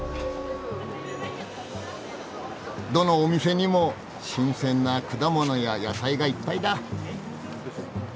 どのお店にも新鮮な果物や野菜がいっぱいだ。